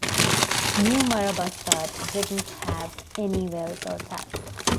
New Marabastad didn't have any wells or taps.